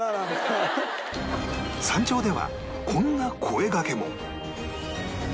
山頂ではこんな声がけも